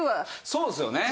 そうですよね。